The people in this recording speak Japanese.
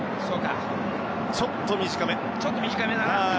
ちょっと短め。